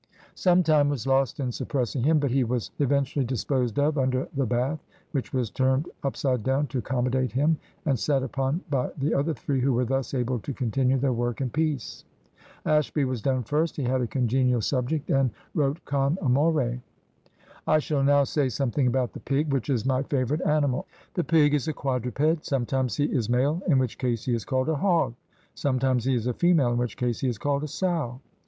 Some time was lost in suppressing him, but he was eventually disposed of under the bath, which was turned upside down to accommodate him and sat upon by the other three, who were thus able to continue their work in peace. Ashby was done first. He had a congenial subject and wrote con amore. "I shall now say something about the pig which is my favourite annimal The pig is a quadruped Sometimes he is male in which case he is called a hog. Sometimes he is female in which case he is called a sow.